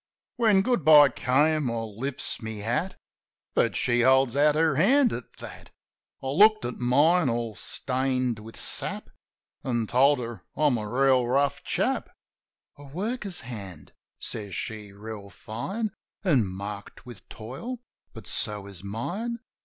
When Good bye came, I lifts my hat; But she holds out her hand at that. I looked at mine, all stained with sap. An' told her I'm a reel rough chap. THE WOOER 61 'A worker's hand," says she, reel fine, 'An' marked with toil ; but so is mine.